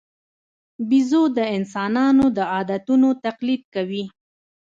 بیزو د انسانانو د عادتونو تقلید کوي.